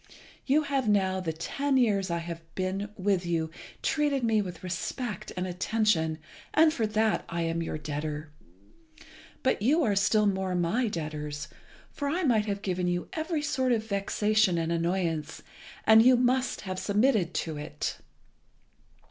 You have now for the ten years I have been with you treated me with respect and attention, and for that I am your debtor. But you are still more my debtors, for I might have given you every sort of vexation and annoyance, and you must have submitted to it.